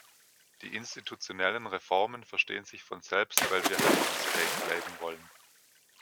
Die institutionellen Reformen verstehen sich von selbst, weil wir handlungsfähig bleiben wollen.